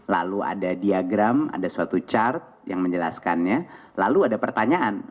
lalu ada diagram ada suatu chart yang menjelaskannya lalu ada pertanyaan